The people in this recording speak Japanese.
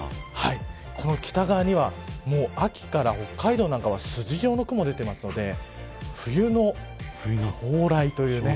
この北側には秋から北海道なんかは筋状の雲が出ていますので冬の到来というね。